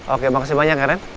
oke makasih banyak eren